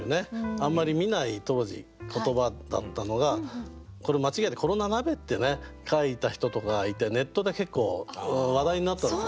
あんまり見ない当時言葉だったのがこれ間違えて「コロナ鍋」って書いた人とかがいてネットで結構話題になったんですね。